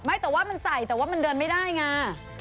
ไม่แต่ว่ามันใส่แต่ว่ามันเดินไม่ได้ไง